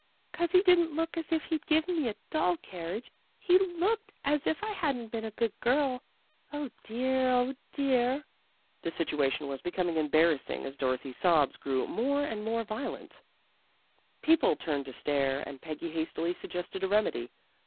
' 'Cause he didn't look as if he'd give me a doll carriage. He looked as if I hadn't been a good girl. 0, dear! O, dear! " The situation was becoming embarrassing as Dorothy's sobs grew more and more violent. DOROTHY GOES SHOPPING 189 People turned to stare, and Peggy hastily suggested a remedy.